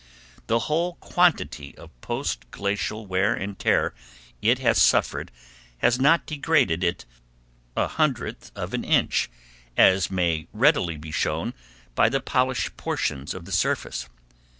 The whole quantity of post glacial wear and tear it has suffered has not degraded it a hundredth of an inch, as may readily be shown by the polished portions of the surface.